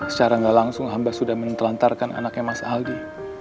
secara nggak langsung hamba sudah menelantarkan anaknya mas aldi